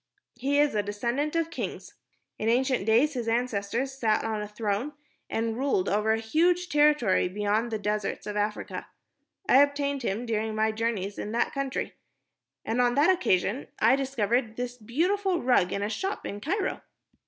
"He is a descendant of kings. In ancient days his ancestors sat on a throne and ruled over a huge territory beyond the deserts of Africa. I obtained him during my journey in that country. And on that occasion I discovered this beautiful rug in a shop in Cairo."